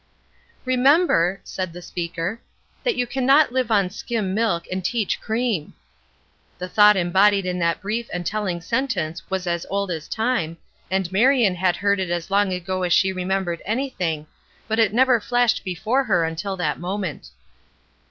"Remember," said the speaker, "that you can not live on skim milk and teach cream!" The thought embodied in that brief and telling sentence was as old as time, and Marion had heard it as long ago as she remembered anything, but it never flashed before her until that moment.